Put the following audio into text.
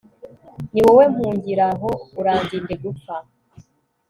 ni wowe mpungiraho, urandinde gupfa